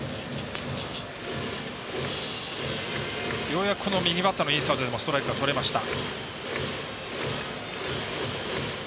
ようやく右バッターのインサイドでストライクがとれました。